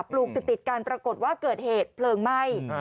ปลูกติดกันปรากฏว่าเกิดเหตุเพลิงไหม้